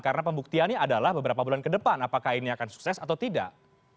karena pembuktiannya adalah beberapa bulan ke depan apakah ini akan sukses atau tidak